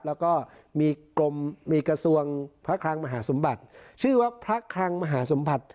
แล้วก็มีกรมมีกระทรวงพระคลังมหาสมบัติชื่อว่าพระคลังมหาสมบัติ